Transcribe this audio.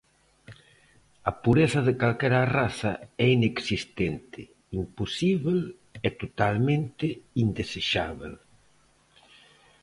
A pureza de calquera raza é inexistente, imposíbel e totalmente indesexábel.